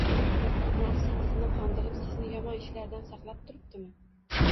nafsingizni qondirib, sizni yomon ishlardan saqlab turibdimi